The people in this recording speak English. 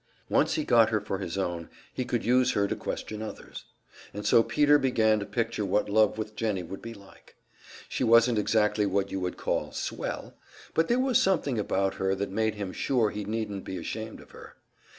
Once he got her for his own, he could use her to question others. And so Peter began to picture what love with Jennie would be like. She wasn't exactly what you would call "swell," but there was something about her that made him sure he needn't be ashamed of her.